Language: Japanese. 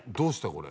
これ。